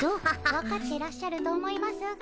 分かってらっしゃると思いますが。